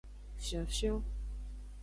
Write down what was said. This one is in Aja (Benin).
Fionfion.